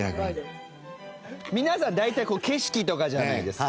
ウエンツ：皆さん大体、景色とかじゃないですか。